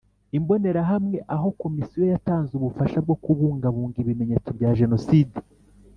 Imbonerahamwe Aho Komisiyo yatanze ubufasha bwo kubungabunga ibimenyetso bya Jenoside